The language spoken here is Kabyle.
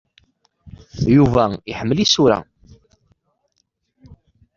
Yuba iḥemmel isura.